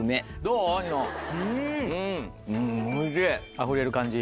あふれる感じ？